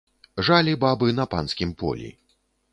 Жалі бабы на панскім полі.